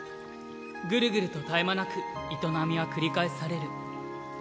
ぐるぐると絶え間なく営みは繰り返される。